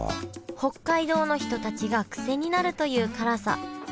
北海道の人たちがクセになるという辛さ。